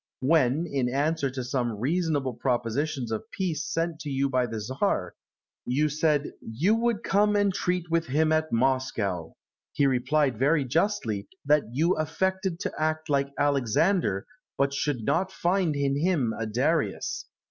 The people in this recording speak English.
When, in answer to some reasonable propositions of peace sent to you by the Czar, you said, "You would come and treat with him at Moscow," he replied very justly, "That you affected to act like Alexander, but should not find in him a Darius."